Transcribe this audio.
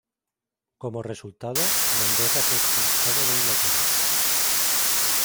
Como resultado, Mendoza fue expulsado de Inglaterra.